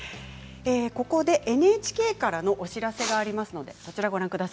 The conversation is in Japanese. ここでＮＨＫからのお知らせがあります。